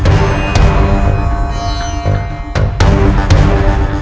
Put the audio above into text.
bagaimana aku mencegahnya